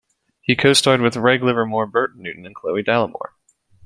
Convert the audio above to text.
He co-starred with Reg Livermore, Bert Newton and Chloe Dallimore.